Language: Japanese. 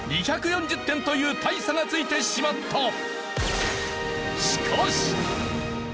２４０点という大差がついてしまった！